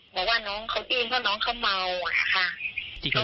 บอกว่าน้องเขายินว่าน้องเขาเมาค่ะ